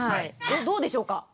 どうでしょうか？